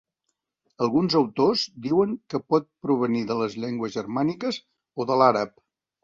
Alguns autors diuen que pot provenir de les llengües germàniques o de l'àrab.